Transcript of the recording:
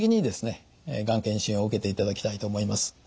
がん検診を受けていただきたいと思います。